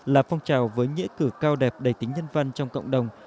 là phong trào với nghĩa cử cao đẹp đầy tính nhân văn trong cộng đồng